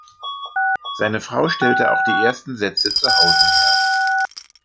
Seine Frau stellte auch die ersten Sätze zu Hause her.